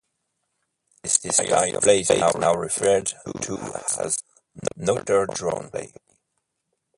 This style of play is now referred to as "noter-drone" play.